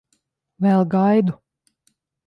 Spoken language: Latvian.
Vēl gaidu.